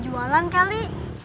udah gak jualan kali